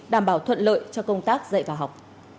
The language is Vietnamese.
đảm bảo thuận lợi cho công tác dạy và học